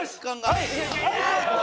はい！